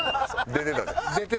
出てたで。